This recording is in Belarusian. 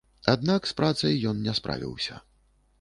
Аднак з працай ён не справіўся.